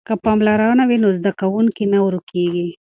که پاملرنه وي نو زده کوونکی نه ورکیږي.